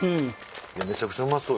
めちゃくちゃうまそう。